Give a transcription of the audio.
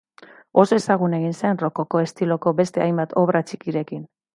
Oso ezagun egin zen rokoko estiloko beste hainbat obra txikirekin.